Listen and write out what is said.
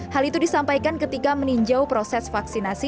hal itu disampaikan ketika meninjau proses vaksinasi